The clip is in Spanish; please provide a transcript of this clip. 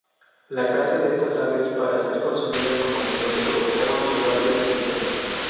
La caza de estas aves para ser consumidas como alimento provocaron su rápida extinción.